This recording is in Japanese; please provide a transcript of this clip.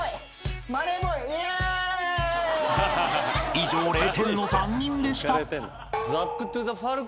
［以上０点の３人でした］